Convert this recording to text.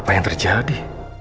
apa yang terjadi